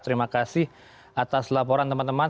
terima kasih atas laporan teman teman